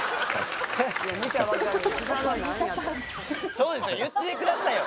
そうですよね言ってくださいよ